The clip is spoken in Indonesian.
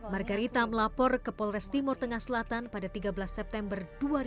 margarita melapor ke polres timur tengah selatan pada tiga belas september dua ribu dua puluh